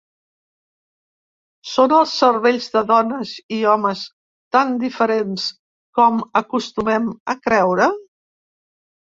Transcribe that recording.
Són els cervells de dones i homes tan diferents com acostumem a creure?